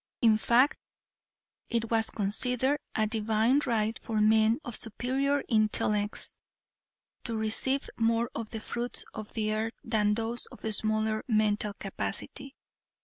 In fact it was considered a divine right for men of superior intellects to receive more of the fruits of the earth than those of smaller mental capacity.